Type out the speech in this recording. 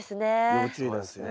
要注意なんですよね。